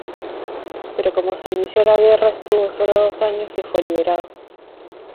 Pero como se inició la guerra estuvo solo dos años y fue liberado.